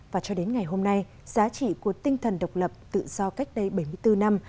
và cho đến ngày hôm nay giá trị của tinh thần độc lập tự do cách đây bảy mươi bốn năm